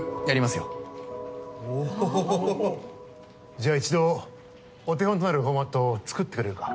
じゃあ１度お手本となるフォーマットを作ってくれるか？